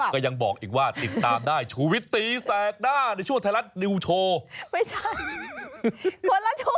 ก็ยังบอกอีกว่าติดตามได้ชูวิตตีแสกหน้าในช่วงไทยรัฐนิวโชว์ไม่ใช่